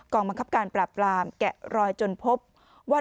บังคับการปราบปรามแกะรอยจนพบว่า